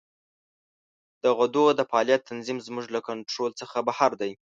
د غدو د فعالیت تنظیم زموږ له کنترول څخه بهر دی.